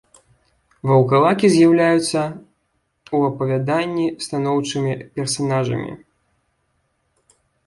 Ваўкалакі з'яўляюцца ў апавяданні станоўчымі персанажамі.